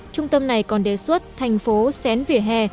trung tâm này còn đề xuất thành phố xén vỉa hè